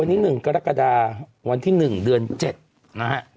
วันนี้๑กรกฎาวันที่๑เดือน๗นะฮะ